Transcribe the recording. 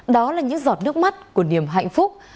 đó là những giọt nước mắt của niềm hạnh phúc